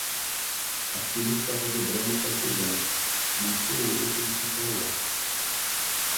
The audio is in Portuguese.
A fila estava dobrando o quarteirão. Não sou louco de ficar lá.